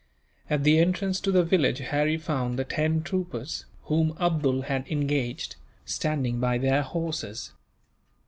At the entrance to the village Harry found the ten troopers, whom Abdool had engaged, standing by their horses.